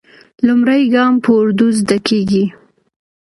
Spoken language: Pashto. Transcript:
لومړی ګام په اردو زده کېږي.